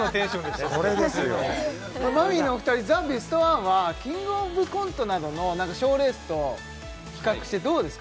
マミィのお二人「ザ・ベストワン」は「キングオブコント」などのなんかショーレースと比較してどうですか？